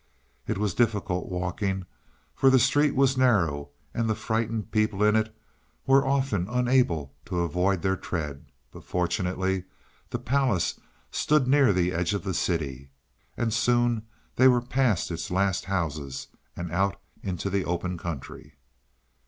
It was difficult walking, for the street was narrow and the frightened people in it were often unable to avoid their tread, but fortunately the palace stood near the edge of the city, and soon they were past its last houses and out into the open country.